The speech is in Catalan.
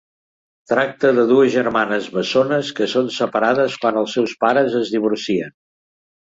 Tracta de dues germanes bessones que són separades quan els seus pares es divorcien.